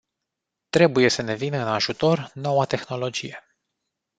Trebuie să ne vină în ajutor noua tehnologie.